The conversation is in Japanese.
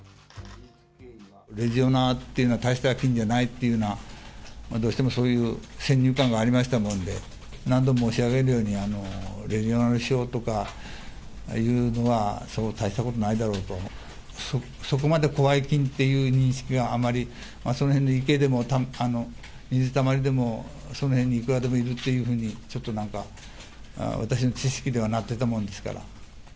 レジオネラっていうのは大した菌じゃないというふうな、どうしてもそういう先入観がありましたもんで、何度も申し上げるように、レジオネラ症とかというのは、そんな大したことないだろうというような、そこまで怖い菌っていう認識が、あまり、その辺の池でも、水たまりでも、その辺にいくらでもいるっていうふうに、ちょっとなんか、私の知識ではなってたものですから。